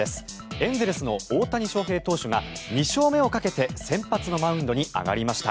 エンゼルスの大谷翔平投手が２勝目をかけて先発のマウンドに上がりました。